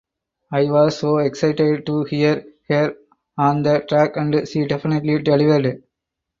I was so excited to hear her on the track and she definitely delivered.